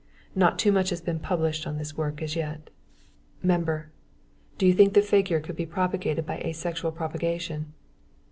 Not too much has been published on this work as yet. MEMBER: Do you think the figure could be propagated by asexual propagation?